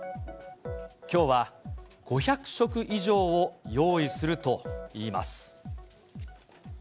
きょうは５００食以上を用意するといいます。